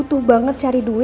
tebak krakara usa